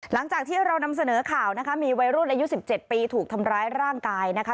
หลังจากที่เรานำเสนอข่าวนะคะมีวัยรุ่นอายุ๑๗ปีถูกทำร้ายร่างกายนะคะ